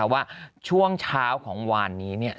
ว่าช่วงเช้าของวานนี้